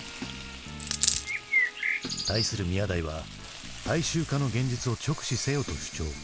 対する宮台は大衆化の現実を直視せよと主張。